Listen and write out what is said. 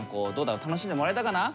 楽しんでもらえたかな？